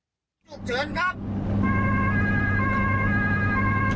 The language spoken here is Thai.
คนไข้ฉุกเฉินครับจิ๊ดซ้ายด้วยครับคนไข้ฉุกเฉินครับจิ๊ดซ้ายด้วยครับ